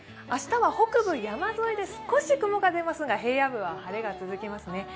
明日は北部山沿いで少し雲が出ますが平野部は晴れが続きますね。